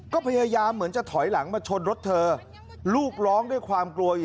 ก็พยายามเหมือนจะถอยหลังมาชนรถเธอลูกร้องด้วยความกลัว